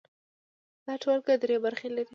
دا ټولګه درې برخې لري.